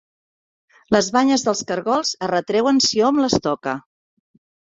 Les banyes dels cargols es retreuen si hom les toca.